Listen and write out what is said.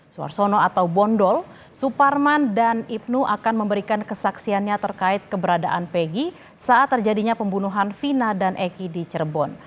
suarsono atau bondol suparman dan ibnu akan memberikan kesaksiannya terkait keberadaan pegi saat terjadinya pembunuhan vina dan eki di cirebon